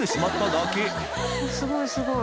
すごいすごい。